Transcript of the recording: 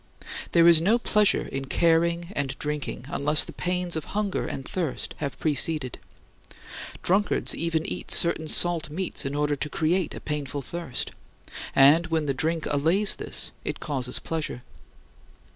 There is no pleasure in caring and drinking unless the pains of hunger and thirst have preceded. Drunkards even eat certain salt meats in order to create a painful thirst and when the drink allays this, it causes pleasure.